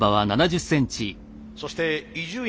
そして伊集院顧問